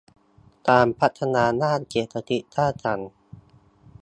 การพัฒนาด้านเศรษฐกิจสร้างสรรค์